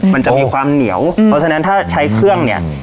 มันจะมีความเหนียวเพราะฉะนั้นถ้าใช้เครื่องเนี่ย